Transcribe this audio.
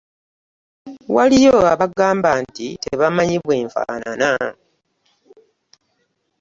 Waliyo abagamba nti tebamanyi bwe nfaanana!